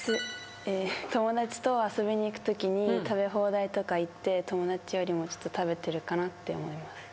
友達と遊びに行くときに食べ放題とか行って友達よりも食べてるかなって思います。